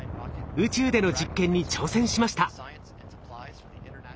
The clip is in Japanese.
宇宙での実験に挑戦しました。